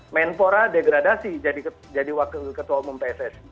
menpora degradasi jadi wakil ketua umum pssi